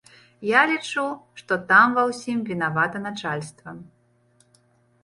Я лічу, што там ва ўсім вінавата начальства.